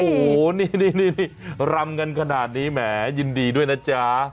โอ้โหนี่รำกันขนาดนี้แหมยินดีด้วยนะจ๊ะ